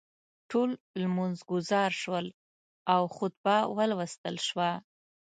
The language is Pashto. ټول لمونځ ګزار شول او خطبه ولوستل شوه.